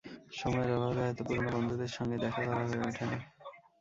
সময়ের অভাবে হয়তো পুরোনো বন্ধুদের সঙ্গে দেখা করা হয়ে ওঠে না।